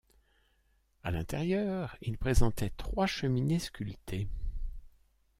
À l'intérieur, il présentait trois cheminées sculptées.